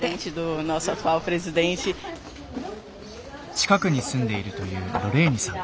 近くに住んでいるというロレーニさん。